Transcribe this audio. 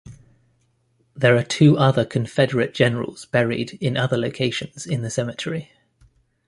There are two other Confederate generals buried in other locations in the cemetery.